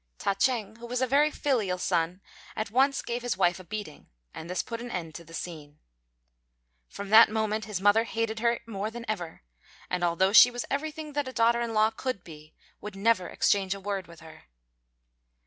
Ta ch'êng, who was a very filial son, at once gave his wife a beating, and this put an end to the scene. From that moment his mother hated her more than ever, and although she was everything that a daughter in law could be, would never exchange a word with her.